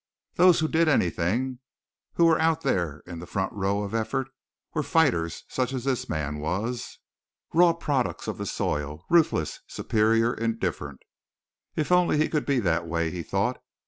Those who did anything, who were out in the front row of effort, were fighters such as this man was, raw products of the soil, ruthless, superior, indifferent. If only he could be that way, he thought.